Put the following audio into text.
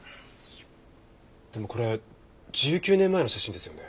でもこれ１９年前の写真ですよね？